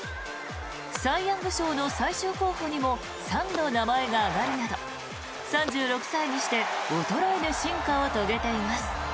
サイ・ヤング賞の最終候補にも３度名前が挙がるなど３６歳にして衰えぬ進化を遂げています。